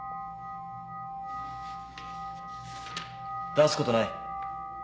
出すことない。